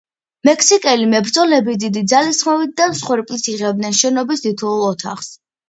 მექსიკელი მებრძოლები, დიდი ძალისხმევით და მსხვერპლით იღებდნენ შენობის თითოეულ ოთახს.